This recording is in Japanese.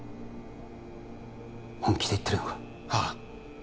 本気で言ってるのかああ